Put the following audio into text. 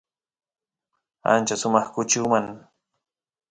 ancha sumaq kuchi uman